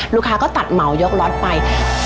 ลูกค้าก็ตัดเหมายกรถไป